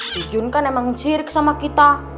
si jun kan emang ciri sama kita